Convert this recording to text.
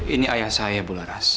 ini ayah saya bu laras